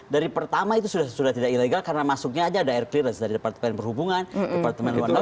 dari pertama itu sudah tidak ilegal karena masuknya aja ada air clearance dari departemen perhubungan departemen luar negeri